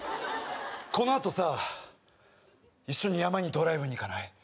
このあとさ一緒に山にドライブに行かない？